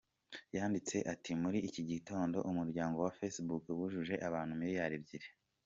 Yanditse ati "Muri iki gitondo, Umuryango wa Facebook wujuje abantu miliyari ebyiri.